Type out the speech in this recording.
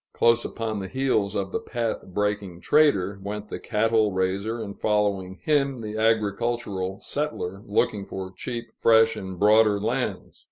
Close upon the heels of the path breaking trader, went the cattle raiser, and, following him, the agricultural settler looking for cheap, fresh, and broader lands.